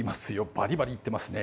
バリバリいっていますね。